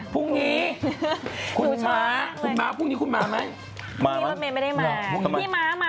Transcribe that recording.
พรุ้งนี้คุณม๊าพรุ่งนี้คุณมามั้ยมาละ